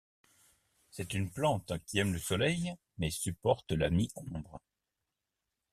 C'est une plante qui aime le soleil mais supporte la mi-ombre.